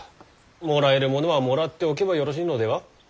もらえるものはもらっておけばよろしいのでは？